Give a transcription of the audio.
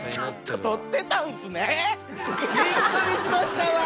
びっくりしましたわ。